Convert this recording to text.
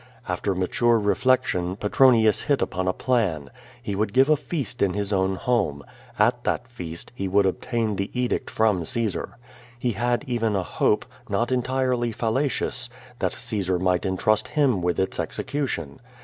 After mature reflection, Petronius hit upon a ])lan. lie would give a feast in his own homo. At that feast he would obtain the edict tnm\ Caesiir. lie had even a ho|)e, not entirely fallacious, that Caosar mijrht entrust him witli its execution.